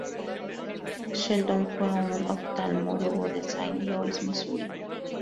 Sheldon fue un oftalmólogo de Saint Louis, Missouri.